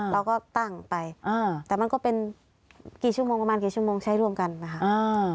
เราก็ตั้งไปอ่าแต่มันก็เป็นกี่ชั่วโมงประมาณกี่ชั่วโมงใช้ร่วมกันนะคะ